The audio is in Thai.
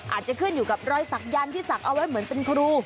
อาจจะขึ้นอยู่กับรอยศักยันต์ที่ศักดิ์เอาไว้เหมือนเป็นครู